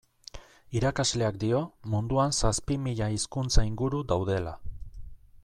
Irakasleak dio munduan zazpi mila hizkuntza inguru daudela.